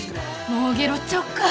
もうゲロっちゃおうか。